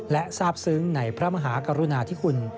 และทราบซึ้งในพระมหากรุณาธิคุณ